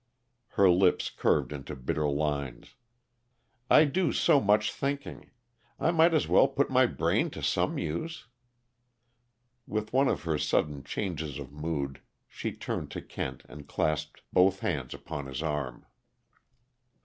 Her lips curved into bitter lines. "I do so much thinking, I might as well put my brain to some use." With one of her sudden changes of mood, she turned to Kent and clasped both hands upon his arm.